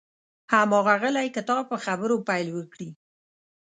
هماغه غلی کتاب په خبرو پیل وکړي.